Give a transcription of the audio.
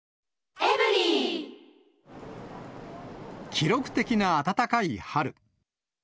記録的な暖かい春。